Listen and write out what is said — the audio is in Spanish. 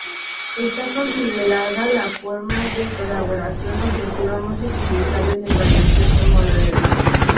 Está considerada la forma de colaboración ofensiva más utilizada en el baloncesto moderno.